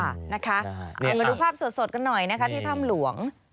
เอามาดูภาพสดกันหน่อยนะคะที่ถ้ำหลวง